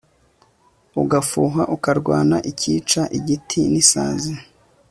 ugafuha ukarwana ukica igiti n'isazi